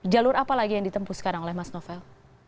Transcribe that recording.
jalur apa lagi yang ditempuh sekarang oleh mas novel